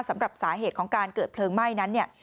สำหรับสาเหตุของการเกิดเพลิงไหม้นั้นเนี่ย